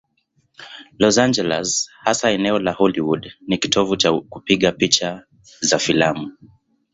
Los Angeles, hasa eneo la Hollywood, ni kitovu cha kupiga picha za filamu.